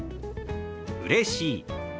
「うれしい」。